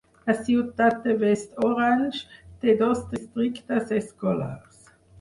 La ciutat de West Orange té dos districtes escolars.